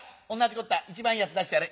こった一番いいやつ出してやれ。